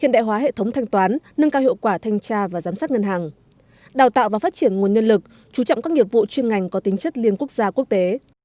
đào tạo và phát triển nguồn nhân lực chú trọng các nhiệm vụ chuyên ngành có tính chất liên quốc gia quốc tế